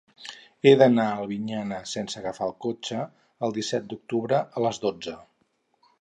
He d'anar a Albinyana sense agafar el cotxe el disset d'octubre a les dotze.